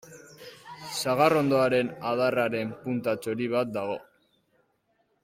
Sagarrondoaren adarraren punta txori bat dago.